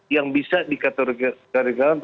yang bisa dikatergahkan